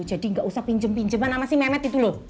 jadi nggak usah pinjem pinjeman sama si memet itu loh